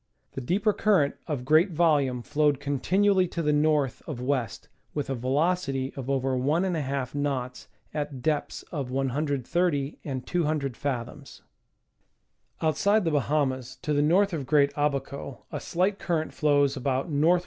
The deeper current of great volume flowed continually to the north of west with a velocity of over 1 ^ knots at depths of 130 and 200 fathoms. Outside the Bahamas, to the north of Great Abaco, a slight cur rent flows about N. W.